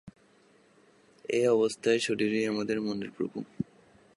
এই অবস্থায় শরীরই আমাদের মনের প্রভু।